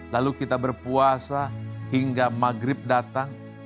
lalu kita berpuasa hingga maghrib datang